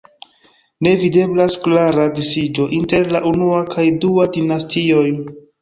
Ne videblas klara disiĝo inter la unua kaj dua dinastioj.